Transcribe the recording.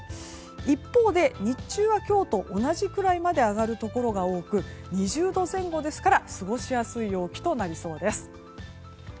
一方で日中は今日と同じくらいまで上がるところが多く２０度前後ですから過ごしやすい陽気となりそうです。